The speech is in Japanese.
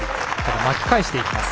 巻き返していきます。